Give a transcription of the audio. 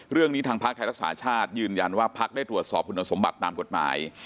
เรื่องนี้ทางภาคไทยรักษาชาติยืนยันว่าภาคได้ตรวจสอบคุณสมบัติตามกฎหมาย